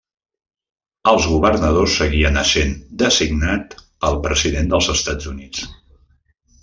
Els governadors seguien essent designat pel President dels Estats Units.